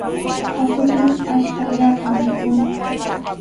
Atuqmi ashkallata mikun.